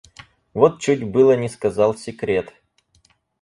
Вот чуть было не сказал секрет!